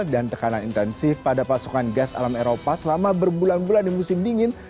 dan tekanan intensif pada pasokan gas alam eropa selama berbulan bulan di musim dingin